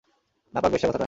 নাপাক বেশ্যা কোথাকার!